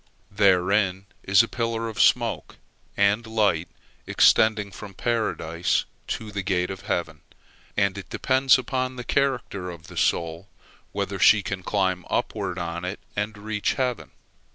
Therein is a pillar of smoke and light extending from Paradise to the gate of heaven, and it depends upon the character of the soul whether she can climb upward on it and reach heaven.